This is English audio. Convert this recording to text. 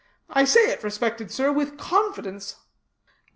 I say it, respected sir, with confidence."